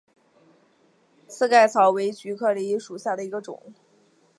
刺盖草为菊科蓟属下的一个种。